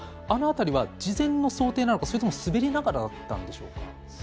あの辺りは事前の想定なのかそれとも滑りながらだったんでしょうか？